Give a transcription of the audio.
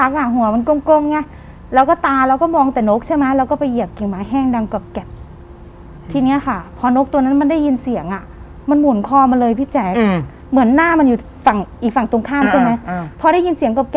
ค่ะแล้วก็มองไปมันน่ารักหัวมันกลมไง